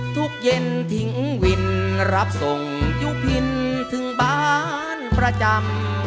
ทุกเย็นทิ้งวินรับส่งยุพินถึงบ้านประจำ